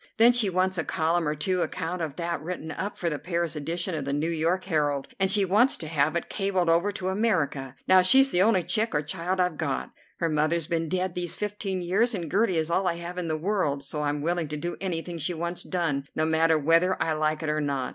Then she wants a column or two account of that written up for the Paris edition of the "New York Herald," and she wants to have it cabled over to America. Now she's the only chick or child I've got. Her mother's been dead these fifteen years, and Gertie is all I have in the world, so I'm willing to do anything she wants done, no matter whether I like it or not.